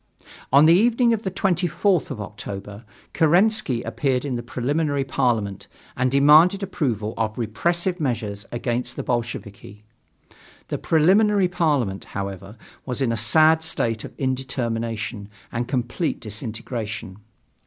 On the evening of the 24th of October, Kerensky appeared in the Preliminary Parliament and demanded approval of repressive measures against the Bolsheviki. The Preliminary Parliament, however, was in a sad state of indetermination and complete disintegration.